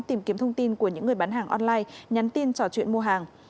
tìm kiếm thông tin của những người bán hàng online nhắn tin trò chuyện mua hàng